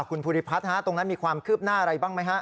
คุณภูริพัฒน์ฮะตรงนั้นมีความคืบหน้าอะไรบ้างไหมฮะ